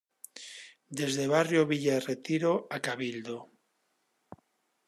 Desde barrio Villa Retiro a Cabildo.